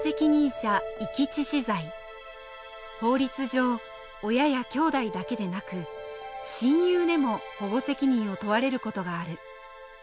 法律上親や兄弟だけでなく親友でも保護責任を問われる事がある。